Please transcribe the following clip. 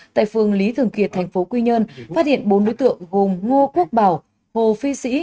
tại phường lý thường kiệt tp quy nhơn phát hiện bốn đối tượng gồm ngo quốc bảo hồ phi sĩ